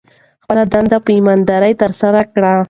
خپله دنده په ایمانداري ترسره کړئ.